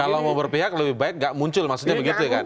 kalau mau berpihak lebih baik gak muncul maksudnya begitu ya kan